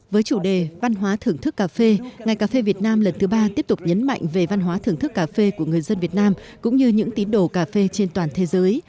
với chủ đề văn hóa thưởng thức cà phê ngày cà phê việt nam lần thứ ba tiếp tục nhấn mạnh về văn hóa thưởng thức cà phê của người dân việt nam cũng như những tín đồ cà phê trên toàn thế giới